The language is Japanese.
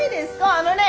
あのね